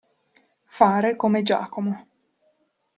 Fare come Giacomo.